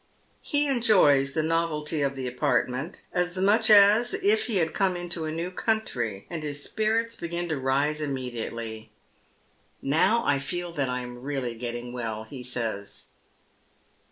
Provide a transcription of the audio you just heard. He enjoys the novelty of the apartment as much as if he had come into a new country, and his spirits begin to rise imme diately. "Now I feel that I am really getting well," he says.